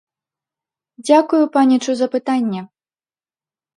Дзякую, панічу, за пытанне!